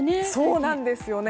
そうなんですよね。